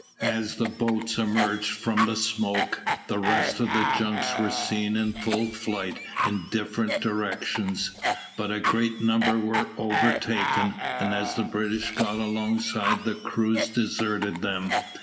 As the boats emerged from the smoke, the rest of the junks were seen in full flight in different directions, but a great number were overtaken, and as the British got alongside the crews deserted them.